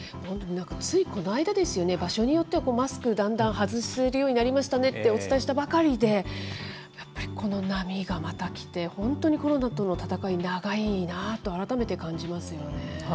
なんかついこの間ですよね、場所によってはマスクだんだん外せるようになりましたねって、お伝えしたばかりで、やっぱりこの波がまた来て、本当にコロナとの闘い、長いなと改めて感じますよね。